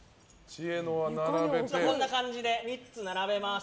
こんな感じで３つ並べます。